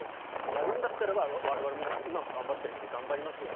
やるんだったらば我々も今も頑張っているけど頑張りますよと。